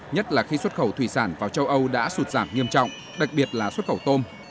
nhất là khi xuất khẩu thủy sản vào châu âu đã sụt giảm nghiêm trọng đặc biệt là xuất khẩu tôm